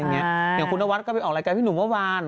อย่างคุณนวัดก็ไปออกรายการพี่หนุ่มเมื่อวาน